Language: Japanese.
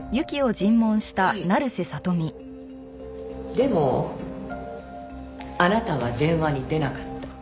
でもあなたは電話に出なかった。